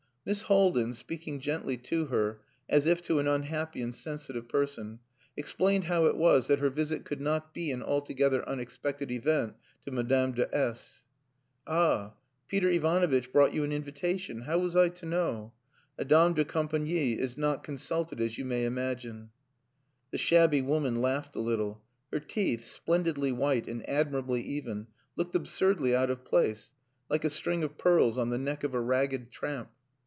Miss Haldin, speaking gently to her, as if to an unhappy and sensitive person, explained how it was that her visit could not be an altogether unexpected event to Madame de S . "Ah! Peter Ivanovitch brought you an invitation. How was I to know? A dame de compangnie is not consulted, as you may imagine." The shabby woman laughed a little. Her teeth, splendidly white and admirably even, looked absurdly out of place, like a string of pearls on the neck of a ragged tramp.